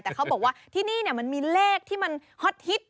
แต่เขาบอกว่าที่นี่มันมีเลขที่มันฮอตฮิต